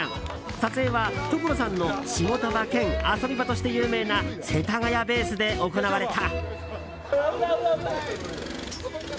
撮影は、所さんの仕事場兼遊び場として有名な世田谷ベースで行われた。